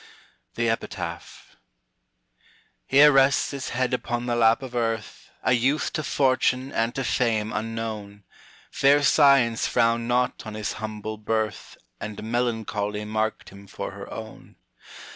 THE EPITAPH. Here rests his head upon the lap of Earth A youth to Fortune and to Fame unknown; Fair Science frowned not on his humble birth, And Melancholy marked him for her own.